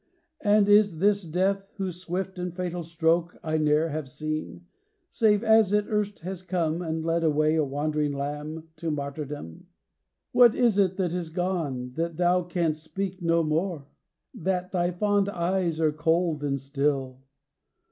And is this death, whose swift and fatal stroke 1 ne'er have seen, save as it erst has come And led away a wandering lamb to martyrdom? XI. "What is it that is gone, that thou canst speak No more? that thy fond eyes are cold and still?